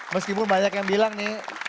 meskipun banyak yang bilang nih